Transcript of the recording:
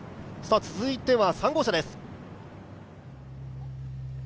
続いては３号車です。